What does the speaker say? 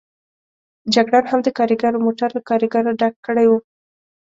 جګړن هم د کاریګرو موټر له کاریګرو ډک کړی و.